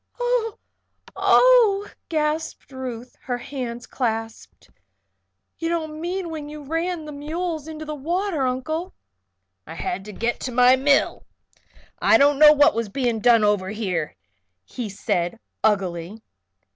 "Oh, oh!" gasped Ruth, her hands clasped. "You don't mean when you ran the mules into the water, Uncle?" "I had to get to my mill. I didn't know what was being done over here," he said, uglily.